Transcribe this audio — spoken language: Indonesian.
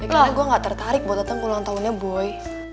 ini karena gue gak tertarik buat datang puluhan tahunnya boy